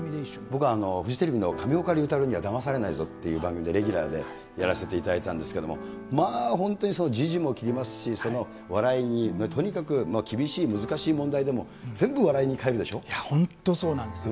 僕はフジテレビの上岡龍太郎にはだまされないぞという番組でレギュラーでやらせていただいたんですけれども、まあ本当に時事も斬りますし、笑い、とにかく、厳しい、難しい問題でも、全部笑本当、そうなんですよ。